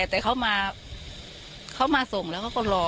แต่เขามาส่งแล้วก็รอป่ากว่า